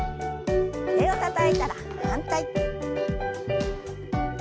手をたたいたら反対。